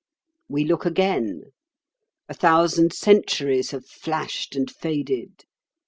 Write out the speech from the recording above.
We look again. A thousand centuries have flashed and faded.